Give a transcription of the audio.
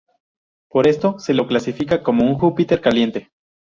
Por esto, se lo clasifica como un Júpiter caliente.